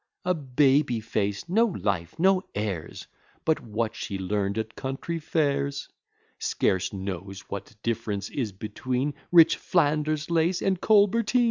A baby face; no life, no airs, But what she learn'd at country fairs; Scarce knows what difference is between Rich Flanders lace and Colberteen.